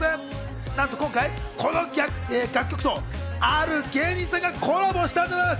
なんと今回、この楽曲とある芸人さんがコラボしたんです。